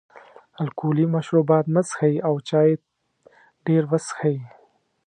الکولي مشروبات مه څښئ او چای ډېر وڅښئ.